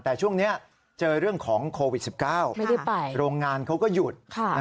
แต่ช่วงนี้เจอเรื่องของโควิด๑๙โรงงานเขาก็หยุด